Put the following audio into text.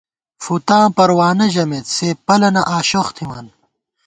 فُتاں پروانہ ژَمېت ، سے پلَنہ آشوخ تھِمان